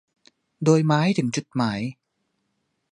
โดยมาให้ถึงจุดหมาย